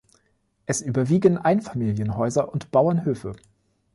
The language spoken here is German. Es überwiegen Einfamilienhäuser und Bauernhöfe.